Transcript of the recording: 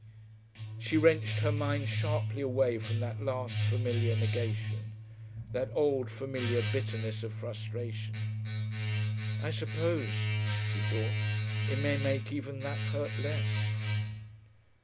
She wrenched her mind sharply away from that last familiar negation, that old familiar bitterness of frustration. 'I suppose,' she thought, 'it may make even that hurt less....'